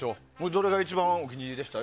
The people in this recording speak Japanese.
どれが一番お気に入りでした？